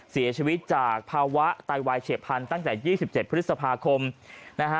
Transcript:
เสียชีวิตจากภาวะไตวายเฉียบพันธุ์ตั้งแต่๒๗พฤษภาคมนะฮะ